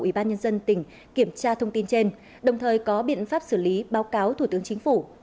ủy ban nhân dân tỉnh kiểm tra thông tin trên đồng thời có biện pháp xử lý báo cáo thủ tướng chính phủ